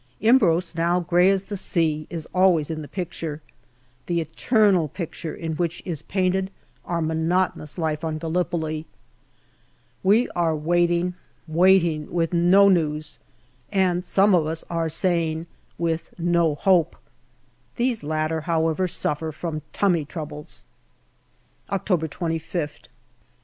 Imbros, now grey as 250 GALLIPOLI DIARY the sea, is always in the picture the eternal picture in which is painted our monotonous life on Gallipoli. We are waiting, waiting, with no news, and some of us are saying with no hope. These latter, however, suffer from " tummy " troubles. October 25th.